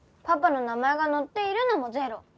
パパの名前が載っているのもゼロ。